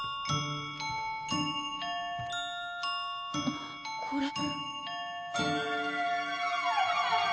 あっこれ。